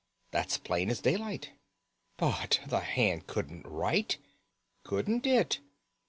That's plain as daylight." "But the hand couldn't write?" "Couldn't it?